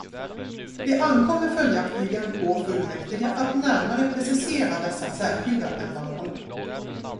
Det ankommer följaktligen på fullmäktige att närmare precisera dessa särskilda ändamål.